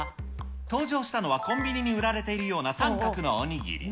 登場したのはコンビニに売られているような三角のお握り。